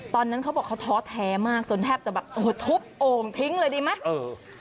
ตอนนั้นเขาบอกเขาท้อแท้มากจนแทบจะแบบโอ้โหทุบโอ่งทิ้งเลยดีไหมเออ